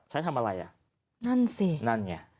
ทำอะไรอ่ะนั่นสินั่นไง